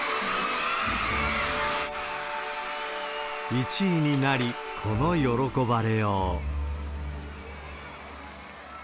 １位になり、この喜ばれよう。